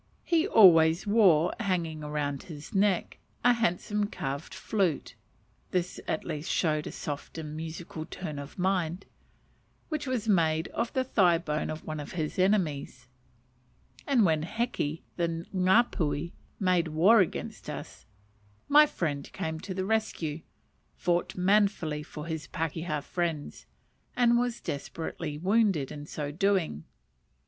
He always wore, hanging round his neck, a handsome carved flute (this at least showed a soft and musical turn of mind), which was made of the thigh bone of one of his enemies; and when Heke, the Ngapuhi, made war against us, my friend came to the rescue, fought manfully for his pakeha friends, and was desperately wounded in so doing.